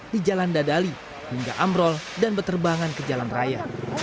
di jalan dadali hingga ambrol dan berterbangan ke jalan raya